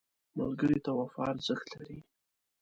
ملګری ته وفا ارزښت لري